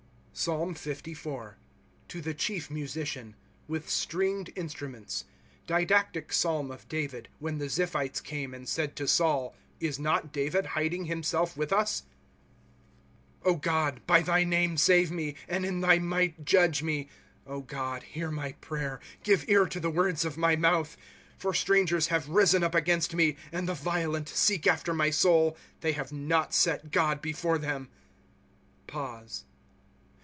PSALM LIT. To the chief Musician. With stringed inatnimenta. Didactic [Psalm] of David, whcu the Ziphites came, and said to Saul : Is riot David hiding himself with us ?^ God, by thy name save me, And in thy might judge me. * God, hear my prayer ; Give ear to the words of my mouth, ^ For strangers have risen up against me, And the violent seek after my soul; They have not set God before them.